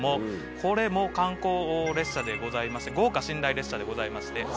これも観光列車でございまして豪華寝台列車でございまして。